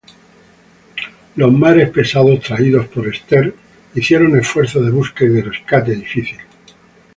Los mares pesados traídos por Esther hicieron esfuerzos de búsqueda y rescate difícil.